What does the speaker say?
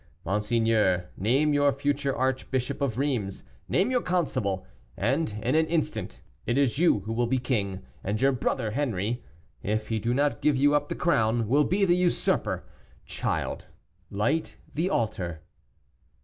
Monseigneur, name your future archbishop of Rheims, name your constable, and in an instant, it is you who will be king, and your brother Henri, if he do not give you up the crown, will be the usurper. Child, light the altar."